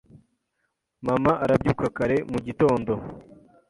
Mama arabyuka kare mu gitondo.